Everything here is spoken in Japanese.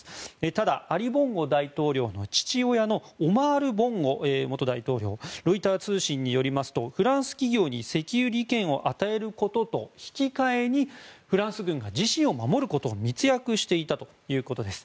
ただ、アリ・ボンゴ大統領の父親のオマール・ボンゴ元大統領ロイター通信によりますとフランス企業に石油利権を与えることと引き換えにフランス軍が自身を守ることを密約していたということです。